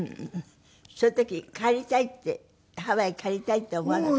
そういう時帰りたいってハワイ帰りたいって思わなかった？